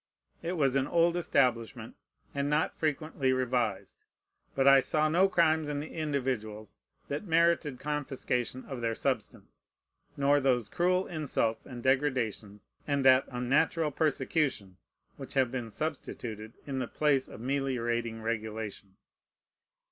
It was an old establishment, and not frequently revised. But I saw no crimes in the individuals that merited confiscation of their substance, nor those cruel insults and degradations, and that unnatural persecution, which have been substituted in the place of meliorating regulation.